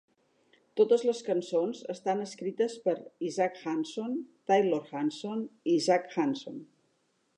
Totes les cançons estan escrites per Isaac Hanson, Taylor Hanson i Zac Hanson.